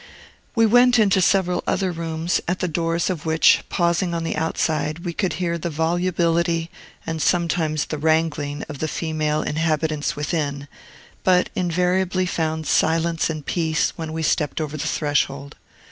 We went into several other rooms, at the doors of which, pausing on the outside, we could hear the volubility, and sometimes the wrangling, of the female inhabitants within, but invariably found silence and peace, when we stepped over the threshold.